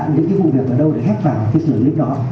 những cái vụ việc ở đâu để hét vào cái sửa clip đó